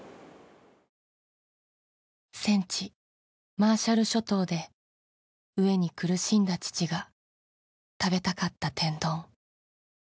戦地マーシャル諸島で飢えに苦しんだ父が食べたかった天丼。